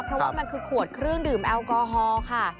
เพราะว่ามันคือขวดเครื่องดื่มแอลกอฮอล์ค่ะ